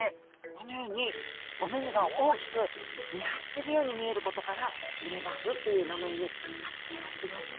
このようにお目々が大きく見張ってるように見えることからメバルという名前になったといわれてます。